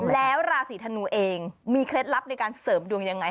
แล้วราศีธนูเองมีเคล็ดลับในการเสริมดวงยังไง